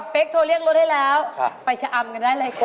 โทรเรียกรถให้แล้วไปชะอำกันได้เลยค่ะ